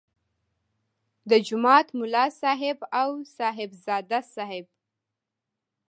د جومات ملا صاحب او صاحبزاده صاحب.